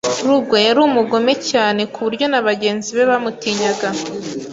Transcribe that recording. Rugwe yari umugome cyane kuburyo na bagenzi be bamutinyaga,